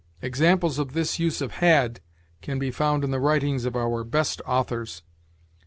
Examples of this use of had can be found in the writings of our best authors.